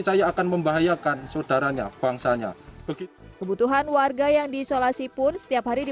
saya akan membahayakan saudaranya bangsanya begitu kebutuhan warga yang diisolasi pun setiap hari di